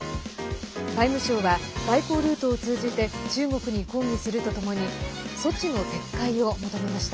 外務省は外交ルートを通じて中国に抗議するとともに措置の撤回を求めました。